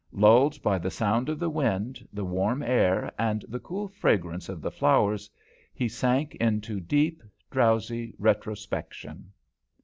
Lulled by the sound of the wind, the warm air, and the cool fragrance of the flowers, he sank into deep, drowsy retrospection.